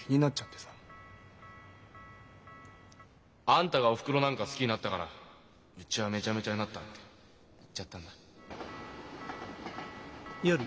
「あんたがおふくろなんか好きになったからうちはめちゃめちゃになった」って言っちゃったんだ。